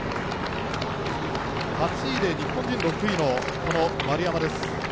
日本人６位の丸山です。